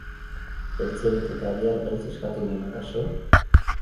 Eltze bete kabiar beltz eskatu dun, akaso?